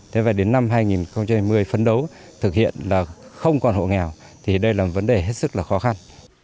thế và đến năm hai nghìn hai mươi phấn đấu thực hiện là không còn hộ nghèo thì đây là vấn đề hết sức là khó khăn